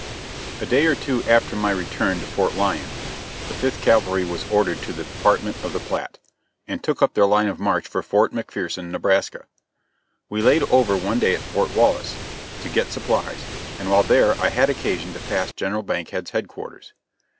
A day or two after my return to Fort Lyon, the Fifth Cavalry were ordered to the Department of the Platte, and took up their line of march for Fort McPherson, Nebraska. We laid over one day at Fort Wallace, to get supplies, and while there I had occasion to pass General Bankhead's headquarters.